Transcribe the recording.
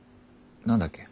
何だっけ？